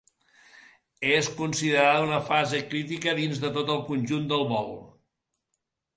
És considerada una fase crítica dins de tot el conjunt del vol.